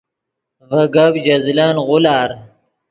ڤے گپ ژے زلن غولار